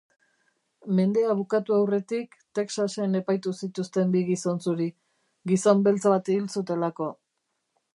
Mendea bukatu aurretik Texasen epaitu zituzten bi gizon zuri, gizon beltz bat hil zutelako.